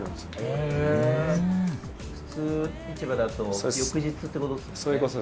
普通市場だと翌日ってこと？